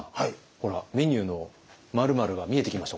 ほらメニューの「〇〇」が見えてきました？